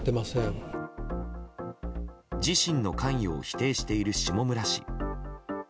自身の関与を否定している下村氏。